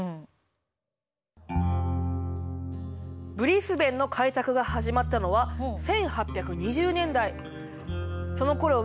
ブリスベンの開拓が始まったのは１８２０年代。